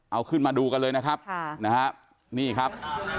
เอาขึ้นมาดูกันเลยนะครับนะฮะนี่ครับ